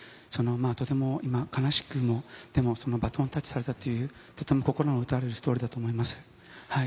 今、悲しくも、でもバトンタッチされたという心打たれるストーリーだと思います。